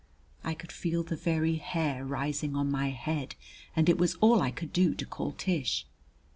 I could feel the very hair rising on my head and it was all I could do to call Tish.